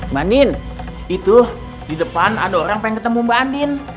mbak nien itu di depan ada orang pengen ketemu mbak andien